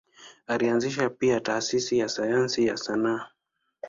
Alianzisha pia taasisi za sayansi na sanaa.